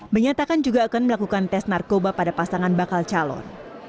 menyatakan juga akan melakukan tes narkoba pada pasangan bakal calon